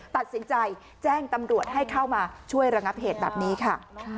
ตัดสินใจแจ้งตำรวจให้เข้ามาช่วยระงับเหตุแบบนี้ค่ะ